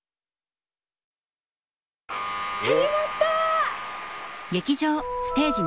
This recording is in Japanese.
始まった！